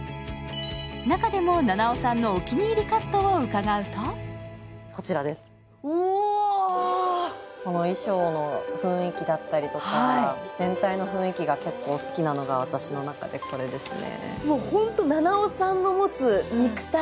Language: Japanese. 中でも菜々緒さんのお気に入りカットを伺うとこの衣装の雰囲気だったりとか全体の雰囲気が結構好きなのが私の中でこれですね。